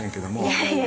いえいえ。